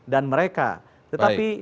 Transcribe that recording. dan mereka tetapi